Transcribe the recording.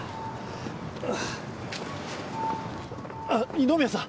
あっ二宮さん！